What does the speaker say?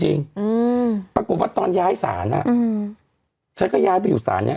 อืมปรากฏว่าตอนย้ายศาลอ่ะอืมฉันก็ย้ายไปอยู่ศาลเนี้ย